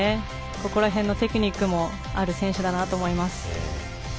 ここら辺のテクニックもある選手だなと思います。